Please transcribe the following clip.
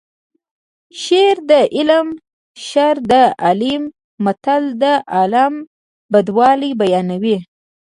شر د عالیم شر د عالیم متل د عالم بدوالی بیانوي